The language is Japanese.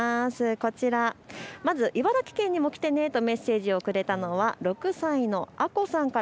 こちら、まず茨城県にも来てねとメッセージをくれたのは６歳のあこさんから。